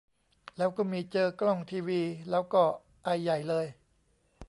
แล้วก็มีเจอกล้องทีวี แล้วก็ไอใหญ่เลย